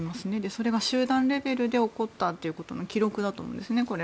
それが集団レベルで起こったということの記録だと思うんです。